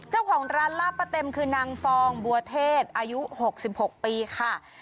เจ้าของร้านลาบปะเต็มคือนางฟองบัวเทศอายุ๖๖ปีค่ะ